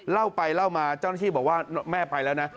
เล่าไปเล่ามาเจ้าหน้าที่บอกว่าแม่ไปแล้วนะ